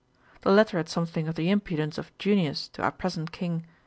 The letter had something of the impudence of Junius to our present King.